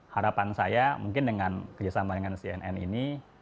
harapan saya mungkin dengan kerjasama dengan cnn ini